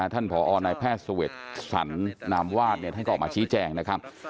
ผอนายแพทย์เสวดสรรนามวาดท่านก็ออกมาชี้แจงนะครับ